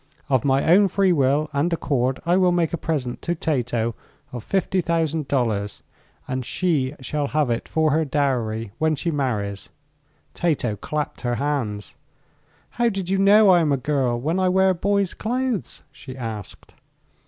Of my own free will and accord I will make a present to Tato of fifty thousand dollars, and she shall have it for her dowry when she marries." Tato clapped her hands. "How did you know I am a girl, when I wear boys' clothes?" she asked.